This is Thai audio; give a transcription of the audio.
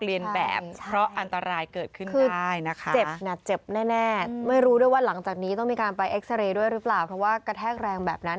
แรงแบบนั้นอาจจะมีผลกับข้างในที่เราไม่รู้